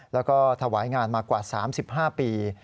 แล้วก็ถวายงานมากว่า๓๕ปี